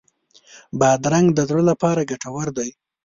بادرنګ د زړه لپاره ګټور دی.